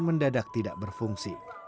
mendadak tidak berfungsi